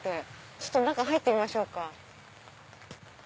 ちょっと中入ってみましょうか。